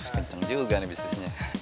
kenceng juga nih bisnisnya